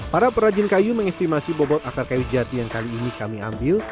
para perajin kayu mengestimasi bobot akar kayu jati yang kali ini kami ambil